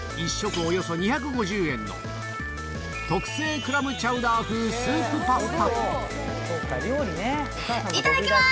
およそ２５０円の特製クラムチャウダー風スーいただきます。